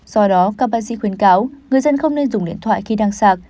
do đó các bác sĩ khuyên cáo người dân không nên dùng điện thoại khi đang sạc